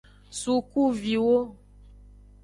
Sukuviwo.